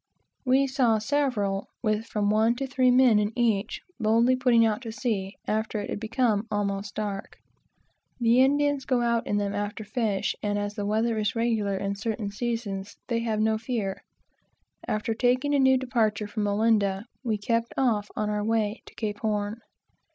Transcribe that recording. We saw several, with from one to three men in each, boldly putting out to sea, after it had become almost dark. The Indians go out in them after fish, and as the weather is regular in certain seasons, they have no fear. After taking a new departure from Olinda, we kept off on our way to Cape Horn.